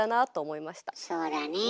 そうだねえ。